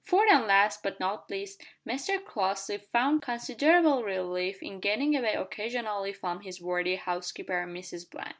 Fourth and last, but not least, Mr Crossley found considerable relief in getting away occasionally from his worthy housekeeper Mrs Bland.